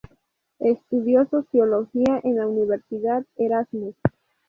Estudió sociología en la Universidad Erasmus.